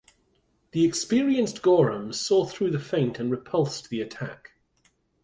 The experienced Goreham saw through the feint and repulsed the attack.